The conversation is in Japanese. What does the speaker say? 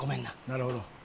なるほど。